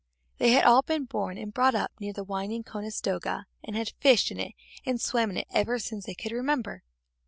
They had all been born and brought up near the winding Conestoga, and had fished in it and swam in it ever since they could remember.